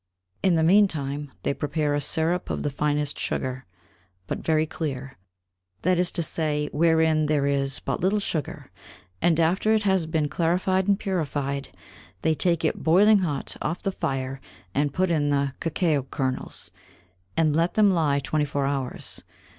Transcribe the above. In the mean time, they prepare a Syrup of the finest Sugar, but very clear; that is to say, wherein there is but little Sugar: and after it has been clarified and purified, they take it boiling hot off the Fire, and put in the Cocao Kernels, and let them lie 24 Hours.